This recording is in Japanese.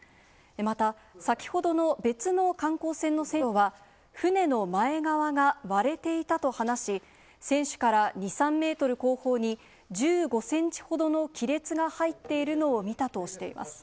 また、先ほどの別の観光船の船長は、船の前側が割れていたと話し、船首から２、３メートル後方に、１５センチほどの亀裂が入っているのを見たとしています。